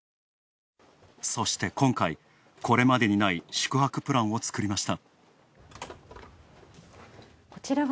そして、今回、これまでにない宿泊プランを作りました。